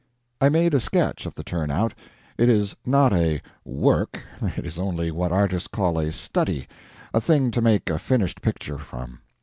I made a sketch of the turnout. It is not a Work, it is only what artists call a "study" a thing to make a finished picture from.